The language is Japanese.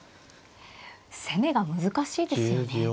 攻めが難しいですよね。